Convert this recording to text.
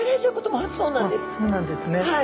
あっそうなんですね。